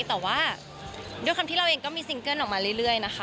แต่ว่าด้วยความที่เราเองก็มีซิงเกิ้ลออกมาเรื่อยนะคะ